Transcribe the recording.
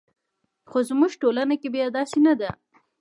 خو زموږ ټولنه کې بیا داسې نه ده.